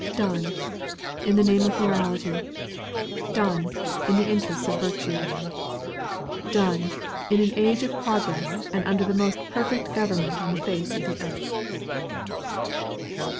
Done, in the name of Morality. Done, in the interests of Virtue. Done, in an age of progress, and under the most perfect government on the face of the earth.